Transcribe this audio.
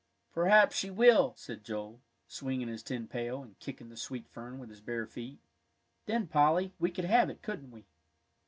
"P'r'aps she will," said Joel, swinging his tin pail, and kicking the sweet fern with his bare feet; "then, Polly, we could have it, couldn't we?"